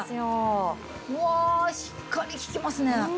わあしっかり効きますね。